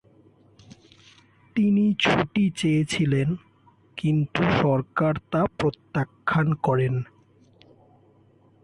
তিনি ছুটি চেয়েছিলেন কিন্তু সরকার তা প্রত্যাখ্যান করেন।